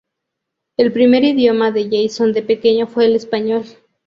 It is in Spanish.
El primer idioma de Jason de pequeño fue el español.